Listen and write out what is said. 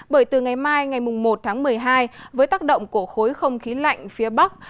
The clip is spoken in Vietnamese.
bởi từ ngày mai ngày một tháng một mươi hai với tác động của khối không khí lạnh phía bắc